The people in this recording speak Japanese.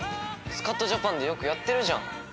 『スカッとジャパン』でよくやってるじゃん。